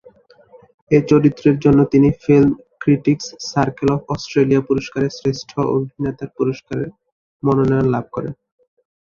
এই চরিত্রের জন্য তিনি film critics circle of Australia পুরস্কার এ শ্রেষ্ঠ অভিনেতার পুরস্কারের মনোনয়ন লাভ করেন।